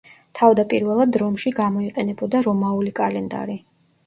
თავდაპირველად რომში გამოიყენებოდა რომაული კალენდარი.